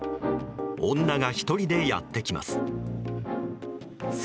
女が１人でやってきます。